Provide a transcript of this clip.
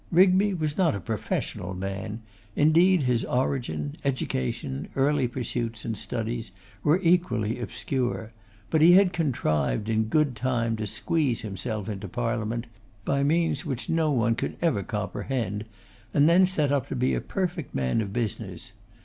Rigby was not a professional man; indeed, his origin, education, early pursuits, and studies, were equally obscure; but he had contrived in good time to squeeze himself into parliament, by means which no one could ever comprehend, and then set up to be a perfect man of business.